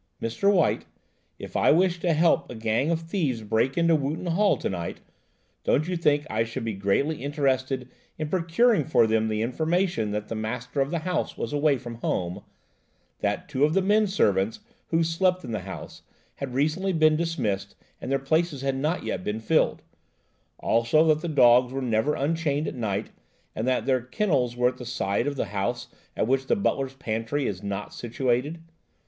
"Mr. White, if I wished to help a gang of thieves break into Wootton Hall tonight, don't you think I should be greatly interested in procuring from them the information that the master of the house was away from home; that two of the men servants, who slept in the house, had recently been dismissed and their places had not yet been filled; also that the dogs were never unchained at night, and that their kennels were at the side of the house at which the butler's pantry is not situated?